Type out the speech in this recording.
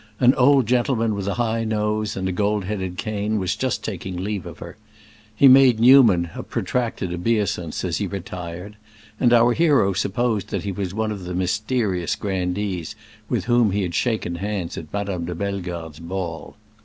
An old gentleman with a high nose and a gold headed cane was just taking leave of her; he made Newman a protracted obeisance as he retired, and our hero supposed that he was one of the mysterious grandees with whom he had shaken hands at Madame de Bellegarde's ball.